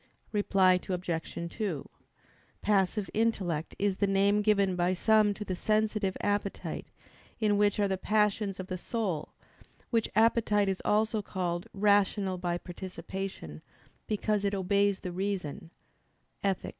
Reply Obj. 2: "Passive intellect" is the name given by some to the sensitive appetite, in which are the passions of the soul; which appetite is also called "rational by participation," because it "obeys the reason" (Ethic.